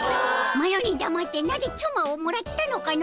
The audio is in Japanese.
マロにだまってなぜつまをもらったのかの！